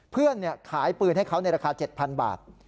เพื่อนขายปืนให้เขาในราคา๗๐๐บาท